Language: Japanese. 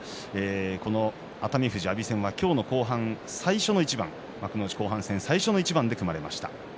この熱海富士、阿炎戦は今日の後半、最初の一番幕内後半戦最初の一番で組まれました。